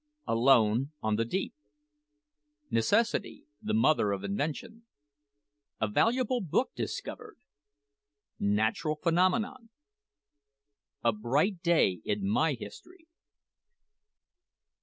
ALONE ON THE DEEP NECESSITY THE MOTHER OF INVENTION A VALUABLE BOOK DISCOVERED NATURAL PHENOMENON A BRIGHT DAY IN MY HISTORY.